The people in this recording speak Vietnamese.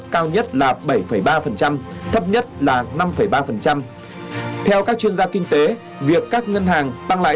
có nhu cầu người ta có khả năng